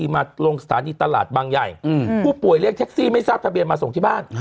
มาลงสถานีตลาดบางใหญ่ผู้ป่วยเรียกแท็กซี่ไม่ทราบทะเบียนมาส่งที่บ้าน